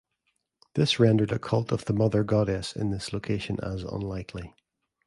This rendered a cult of the mother goddess in this location as unlikely.